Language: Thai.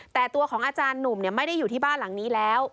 แต่ตัวของอาจารย์หนุ่มไม่ได้อยู่ที่บ้านหลังนี้แล้ว